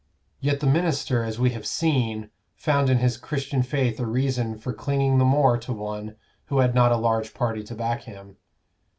Yet the minister, as we have seen, found in his Christian faith a reason for clinging the more to one who had not a large party to back him.